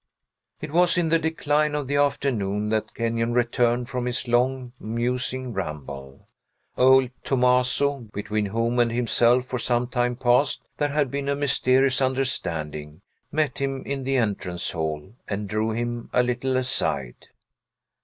It was in the decline of the afternoon that Kenyon returned from his long, musing ramble, Old Tomaso between whom and himself for some time past there had been a mysterious understanding, met him in the entrance hall, and drew him a little aside.